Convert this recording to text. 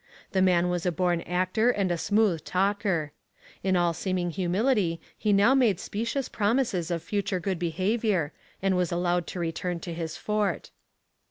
The man was a born actor and a smooth talker. In all seeming humility he now made specious promises of future good behaviour, and was allowed to return to his fort.